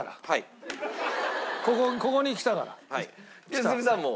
良純さんも？